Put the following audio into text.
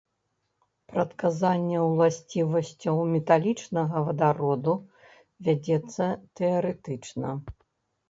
Прадказанне уласцівасцяў металічнага вадароду вядзецца тэарэтычна.